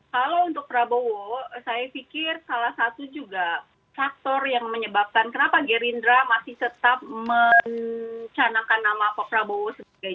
kalau untuk prabowo saya pikir salah satu juga faktor yang menyebabkan kenapa gerindra masih tetap mencanangkan nama pak prabowo sebagai